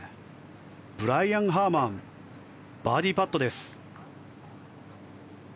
ブライアン・ハーマンバーディーパットです。